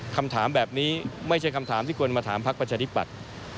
คำถามแบบนี้ไม่ใช่คำถามที่ควรมาถามพักประชาธิปัตย์